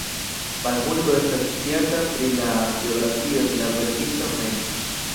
Malmulto estas sciata pri la biografio de la verkinto mem.